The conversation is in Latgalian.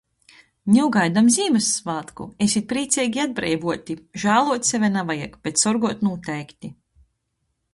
Niu gaidam Zīmyssvātku! Esit prīceigi i atbreivuoti! Žāluot seve navajag, bet sorguot nūteikti!